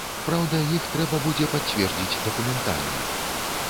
Праўда, іх трэба будзе пацвердзіць дакументальна.